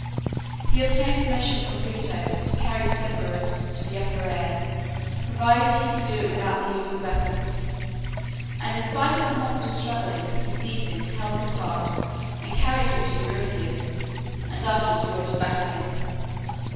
He obtained permission from Pluto to carry Cerberus to the upper air, provided he could do it without the use of weapons; and in spite of the monster's struggling, he seized him, held him fast, and carried him to Eurystheus, and afterwards brought him back again.